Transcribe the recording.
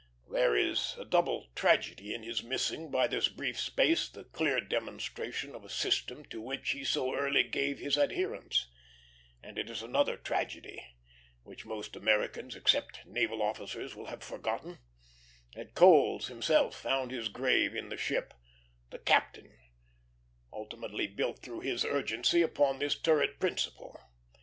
There is a double tragedy in his missing by this brief space the clear demonstration of a system to which he so early gave his adherence; and it is another tragedy, which most Americans except naval officers will have forgotten, that Coles himself found his grave in the ship the Captain ultimately built through his urgency upon this turret principle.